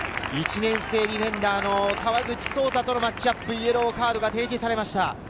年生ディフェンダーの川口颯大とのマッチアップ、イエローカードが提示されました。